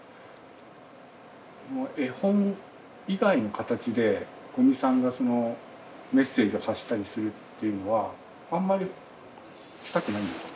絵本以外の形で五味さんがメッセージを発したりするっていうのはあんまりしたくないんですか？